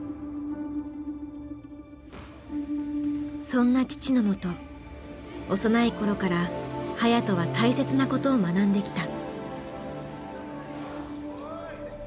そんな父のもと幼い頃から颯人は大切なことを学んできた。